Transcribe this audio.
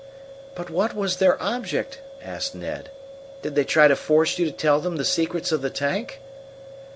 "But what was their object?" asked Ned. "Did they try to force you to tell them the secrets of the tank?"